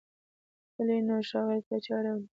هلی نو، ښاغلي ته چای راوړئ!